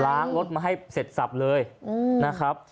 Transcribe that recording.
รถมาให้เสร็จสับเลยนะครับ